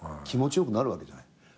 気持ち良くなるわけじゃない。